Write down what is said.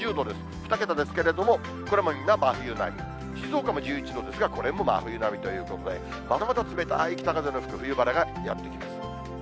２桁ですけれども、これもみんな真冬並み、静岡も１１度ですが、これも真冬並みということで、またまた冷たい北風の吹く冬晴れがやって来ます。